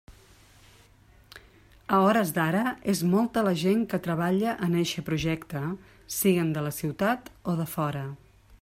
A hores d'ara és molta la gent que treballa en eixe projecte, siguen de la ciutat o de fora.